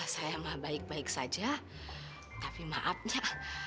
saya mah baik baik saja tapi maafnya